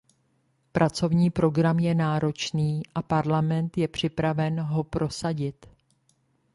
Pracovní program je náročný a Parlament je připraven ho prosadit.